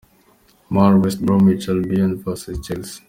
Mar, West Bromwich Albion vs Chelsea.